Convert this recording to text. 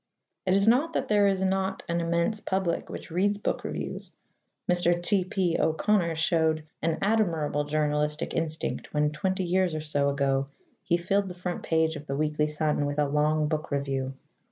It is not that there is not an immense public which reads book reviews. Mr. T.P. O'Connor showed an admirable journalistic instinct when twenty years or so ago he filled the front page of the Weekly Sun with a long book review.